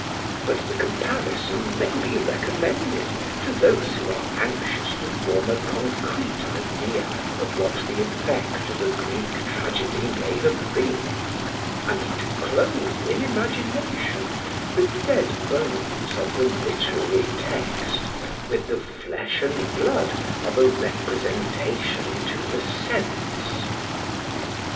But the comparison may be recommended to those who are anxious to form a concrete idea of what the effect of a Greek tragedy may have been, and to clothe in imagination the dead bones of the literary text with the flesh and blood of a representation to the sense.